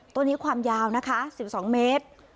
ตัวนี้ความยาวนะคะ๑๒เมตร